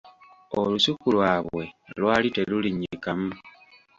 Olusuku lwabwe lwali terulinnyikamu.